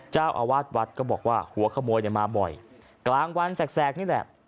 เจ้าอาวาสวัดก็บอกว่าหัวขโมยเนี่ยมาบ่อยกลางวันแสกนี่แหละ